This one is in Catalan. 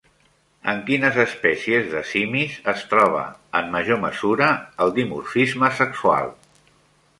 En quines espècies de simis es troba en major mesura el dimorfisme sexual?